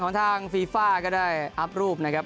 ของทางกฐาฟีฟ้าก็ได้อัพรูปนะครับ